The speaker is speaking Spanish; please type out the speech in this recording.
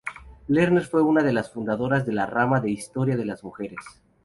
Lerner fue una de las fundadoras de la rama de Historia de las mujeres.